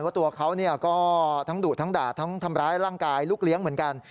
เพราะตัวเขาก็ทั้งดุทั้งด่าทั้งทำร้ายร่างกายลูกเลี้ยงเหมือนกัน